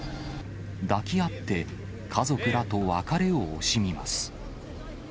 抱き合って家族らと別れを惜しみます。